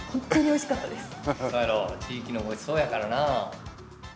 そやろ地域のごちそうやからな。